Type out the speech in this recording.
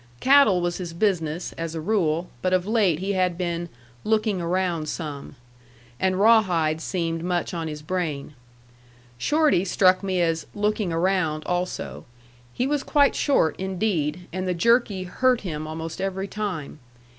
Cattle was his business, as a rule, but of late he had been "looking around some," and Rawhide seemed much on his brain. Shorty struck me as "looking around" also. He was quite short, indeed, and the jerky hurt him almost every time.